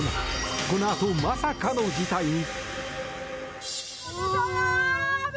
このあと、まさかの事態に。